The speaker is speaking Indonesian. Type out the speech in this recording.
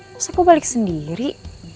masa gue balik sendiri